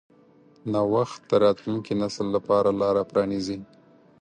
نوښت د راتلونکي نسل لپاره لاره پرانیځي.